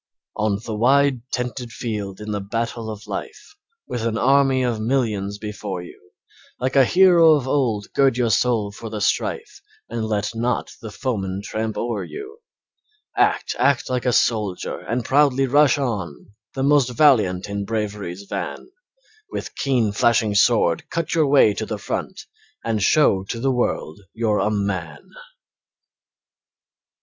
On the wide, tented field in the battle of life, With an army of millions before you; Like a hero of old gird your soul for the strife And let not the foeman tramp o'er you; Act, act like a soldier and proudly rush on The most valiant in Bravery's van, With keen, flashing sword cut your way to the front And show to the world you're a Man.